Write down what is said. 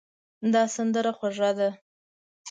دا سندره خوږه ده.